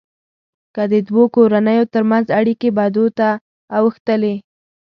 که د دوو کورنيو ترمنځ اړیکې بدو ته اوښتلې.